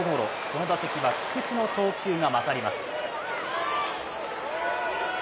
この打席は菊池の投球が勝ります。